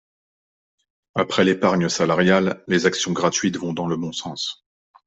Après l’épargne salariale, les actions gratuites vont dans le bon sens.